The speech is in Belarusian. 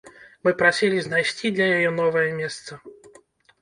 Мы прасілі знайсці для яе новае месца.